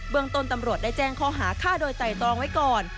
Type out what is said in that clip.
เมืองต้นตำรวจได้แจ้งข้อหาฆ่าโดยไตรตรองไว้ก่อน